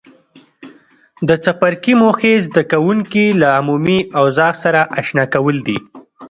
د څپرکي موخې زده کوونکي له عمومي اوضاع سره آشنا کول دي.